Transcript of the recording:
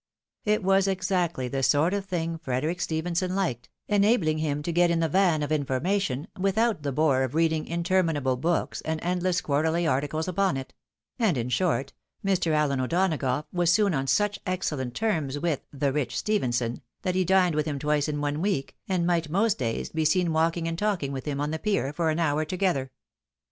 It was exactly the sort of thing Frederic Stephenson Eked, enabling Mm to get in the van of information, without the bore of read ing interminable books, and endless quarterly articles upon it ; and, in short, Mr. Allen O'Donagough was soon on such excellent terms with " the rich Stephenson," that he dined with him twice in one week, and might most days be seen walking and talking with liim on the pier for an hour together.